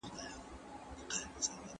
ولي په فاسده نکاح کي طلاق صحت نلري؟